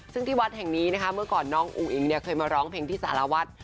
ซึ่งที่วัดแห่งนี้นะคะเมื่อก่อนน้องอุ้งอิงเนี่ยเคยมาร้องเพลงที่สารวัฒน์